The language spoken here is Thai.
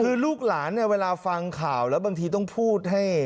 คือลูกหลานเนี่ยเวลาฟังข่าวแล้วบางทีต้องพูดให้